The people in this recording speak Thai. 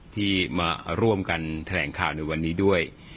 ที่มาร่วมกันแถลงข่าวในวันนี้ด้วย